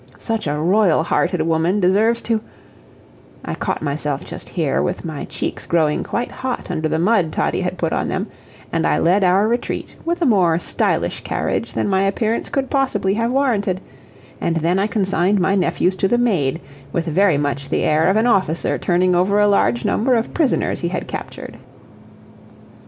Such a royal hearted woman deserves to I caught myself just here, with my cheeks growing quite hot under the mud Toddie had put on them, and I led our retreat with a more stylish carriage than my appearance could possibly have warranted, and then I consigned my nephews to the maid with very much the air of an officer turning over a large number of prisoners he had captured.